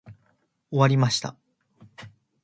終わりました。